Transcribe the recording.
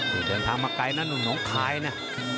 เดินทางมาไกลน่ะนุ่งน้องคายนะ